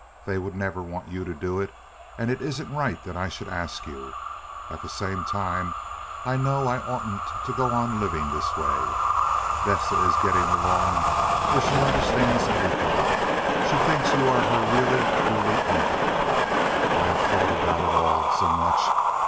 They would never want you to do it, and it isn't right that I should ask you. At the same time I know I oughtn't to go on living this way. Vesta is getting along where she understands everything. She thinks you are her really truly uncle. I have thought of it all so much.